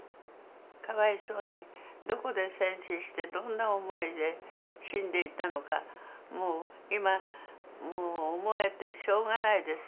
かわいそうにどこで戦死してどんな思いで死んでいったのかもう今もう思えてしょうがないです。